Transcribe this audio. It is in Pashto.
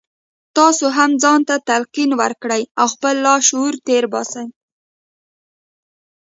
تاسې هم ځان ته تلقين وکړئ او خپل لاشعور تېر باسئ.